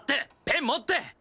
ペン持って！